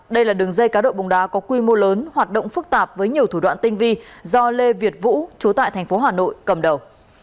đây là đường dây cá độ bóng đá có quy mô lớn hoạt động phức tạp với nhiều thủ đoạn tinh vi do lê việt vũ chú tại thành phố hà nội cầm đầu